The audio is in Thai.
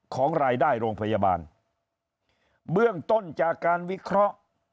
ของรายได้โรงพยาบาลเบื้องต้นจากการวิเคราะห์